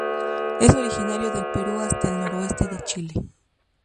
Es originario del Perú hasta el noroeste de Chile.